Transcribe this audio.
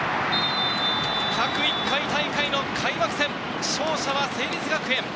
１０１回大会の開幕戦、勝者は成立学園！